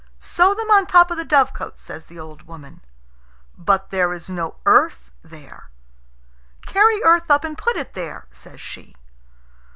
"Sow them on the top of the dovecot," says the old woman. "But there is no earth there." "Carry earth up and put it there," says she.